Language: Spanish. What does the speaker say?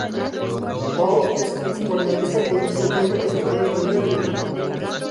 Paul es un psicoanalista con una consulta en las afueras de Maryland.